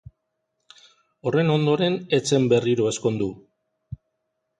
Horren ondoren ez zen berriro ezkondu.